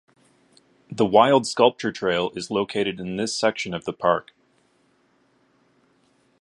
The "Wild Sculpture Trail" is located in this section of the park.